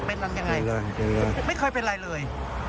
เป็นอะไรยังไงเป็นอะไรไม่เคยเป็นอะไรเลย